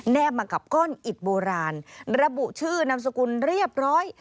มากับก้อนอิดโบราณระบุชื่อนามสกุลเรียบร้อย